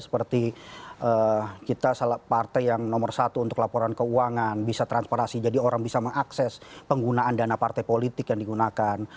seperti kita partai yang nomor satu untuk laporan keuangan bisa transparasi jadi orang bisa mengakses penggunaan dana partai politik yang digunakan